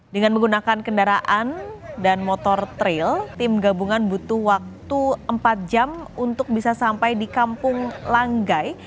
dengan menggunakan kendaraan dan motor trail tim gabungan butuh waktu empat jam untuk bisa sampai di kampung langgai